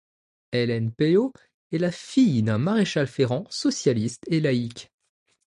Hélène Pellault est la fille d'un maréchal-ferrant, socialiste et laïque.